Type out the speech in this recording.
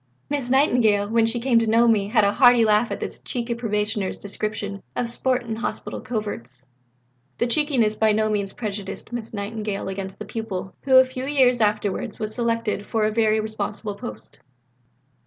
Miss Nightingale, when she came to know me, had a hearty laugh at this cheeky probationer's description of sport in Hospital coverts." The cheekiness by no means prejudiced Miss Nightingale against the pupil, who, a few years afterwards, was selected for a very responsible post.